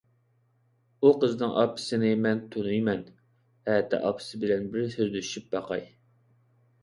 ئۇ قىزنىڭ ئاپىسىنى مەن تونۇيمەن، ئەتە ئاپىسى بىلەن بىر سۆزلىشىپ باقاي.